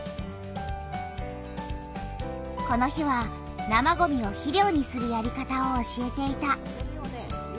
この日は生ごみを肥料にするやり方を教えていた。